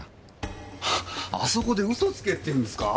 あそこで嘘をつけって言うんですかぁ？